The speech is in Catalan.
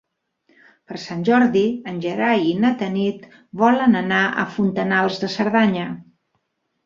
Per Sant Jordi en Gerai i na Tanit volen anar a Fontanals de Cerdanya.